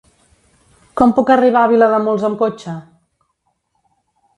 Com puc arribar a Vilademuls amb cotxe?